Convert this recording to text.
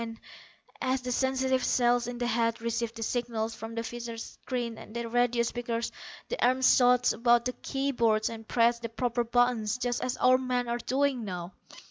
And, as the sensitive cells in the head received the signals from the visor screens and the radio speakers the arms shot about the key boards and pressed the proper buttons just as our men are doing now.